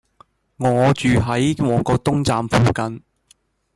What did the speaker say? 我住喺旺角東站附近